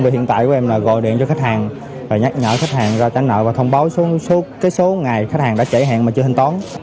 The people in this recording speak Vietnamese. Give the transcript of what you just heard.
mình gọi điện cho khách hàng nhắc nhở khách hàng ra trả nợ và thông báo số ngày khách hàng đã chảy hẹn mà chưa hình tốn